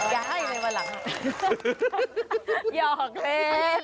อื้อหืออย่าให้ในวันหลัง